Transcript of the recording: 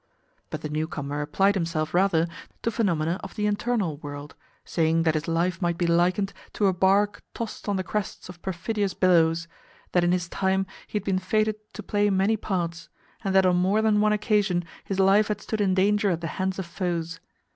But the newcomer applied himself, rather, to phenomena of the internal world, saying that his life might be likened to a barque tossed on the crests of perfidious billows, that in his time he had been fated to play many parts, and that on more than one occasion his life had stood in danger at the hands of foes.